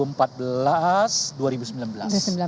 sengketa sengketa ini ini menurut saya yang